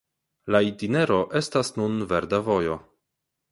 La itinero estas nun verda vojo.